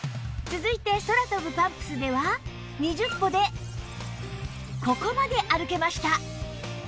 続いて空飛ぶパンプスでは２０歩でここまで歩けました